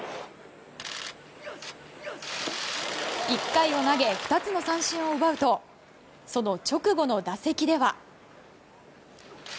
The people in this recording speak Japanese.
１回を投げ２つの三振を奪うとその直後の打席では。